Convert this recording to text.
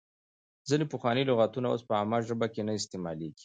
ځینې پخواني لغاتونه اوس په عامه ژبه کې نه استعمالېږي.